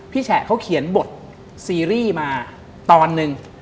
แฉะเขาเขียนบทซีรีส์มาตอนหนึ่ง